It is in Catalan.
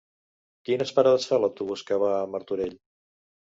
Quines parades fa l'autobús que va a Martorell?